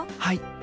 はい。